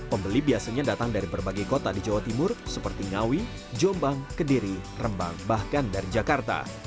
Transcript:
pembeli biasanya datang dari berbagai kota di jawa timur seperti ngawi jombang kediri rembang bahkan dari jakarta